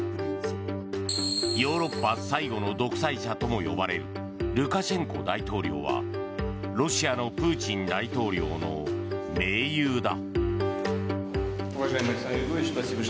ヨーロッパ最後の独裁者とも呼ばれるルカシェンコ大統領はロシアのプーチン大統領の盟友だ。